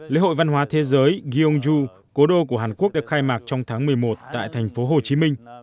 lễ hội văn hóa thế giới gyeongju cố đô của hàn quốc được khai mạc trong tháng một mươi một tại thành phố hồ chí minh